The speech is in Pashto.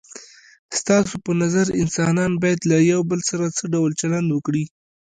ستاسو په نظر انسانان باید له یو بل سره څه ډول چلند وکړي؟